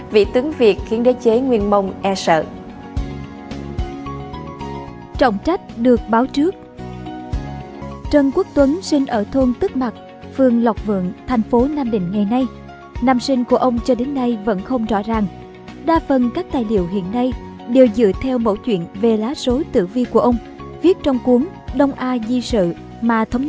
vị tướng việt khiến đế chế nguyên mông e sợ